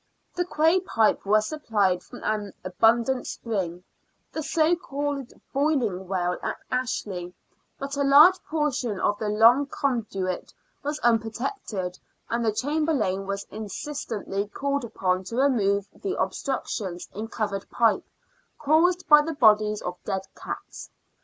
The quay pipe was supplied from an abundant spring, the so called Boiling Well at Ashley ; but a large portion of the long conduit was unprotected, and the Chamberlain was incessantly called upon to remove the obstructions in covered pipe, caused by the bodies of dead cats.